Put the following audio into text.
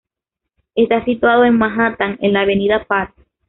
Está situado en Manhattan, en la Avenida Park.